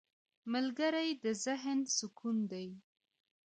ملګری د ذهن سکون دی